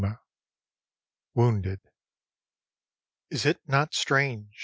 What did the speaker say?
_ Wounded Is it not strange?